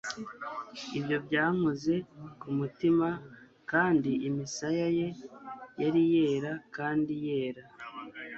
ibyo byankoze ku mutima, kandi imisaya ye yari yera kandi yera